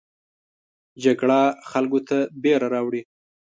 جګړه خلکو ته ویره راوړي